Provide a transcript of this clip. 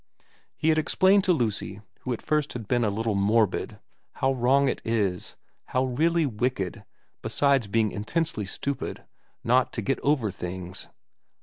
He had ex plained to Lucy, who at first had been a little morbid, how wrong it is, how really wicked, besides being in tensely stupid, not to get over things.